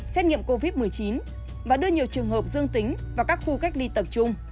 xét nghiệm covid một mươi chín và đưa nhiều trường hợp dương tính vào các khu cách ly tập trung